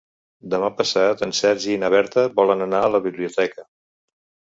Demà passat en Sergi i na Berta volen anar a la biblioteca.